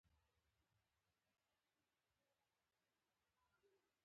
غوماشه له انسان او حیوانه وینه خوري.